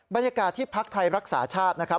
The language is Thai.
บรรยากาศที่พักไทยรักษาชาตินะครับ